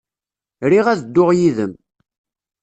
Riɣ ad dduɣ yid-m.